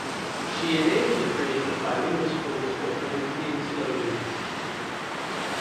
She enabled the creation of bilingual schools for Carinthian Slovenes.